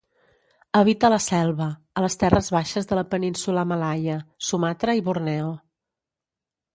Habita la selva, a les terres baixes de la península Malaia, Sumatra i Borneo.